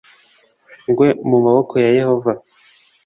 ngwe mu maboko ya Yehova